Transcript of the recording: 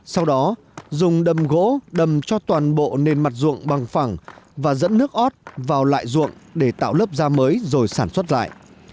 sau đó dùng đầm gỗ đầm cho toàn bộ nền mặt ruộng bằng phẳng và dẫn nước ót vào lại ruộng để tạo lớp da mới rồi sản xuất lại